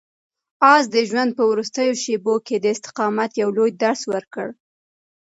آس د ژوند په وروستیو شېبو کې د استقامت یو لوی درس ورکړ.